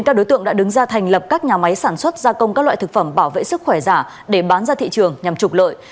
các đối tượng đã đứng ra thành lập các nhà máy sản xuất gia công các loại thực phẩm bảo vệ sức khỏe giả để bán ra thị trường nhằm trục lợi